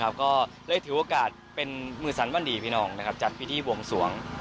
เราก็ได้ถือโอกาสเป็นมือสรรพันธ์ดีพี่น้องนะครับจากพิธีวงศวง